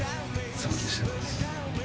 尊敬してます。